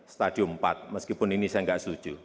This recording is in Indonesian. stadium empat meskipun ini saya nggak setuju